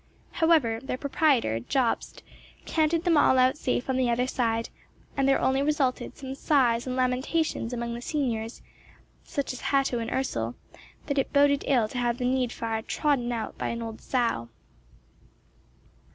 However, their proprietor, Jobst, counted them out all safe on the other side, and there only resulted some sighs and lamentations among the seniors, such as Hatto and Ursel, that it boded ill to have the Needfire trodden out by an old sow.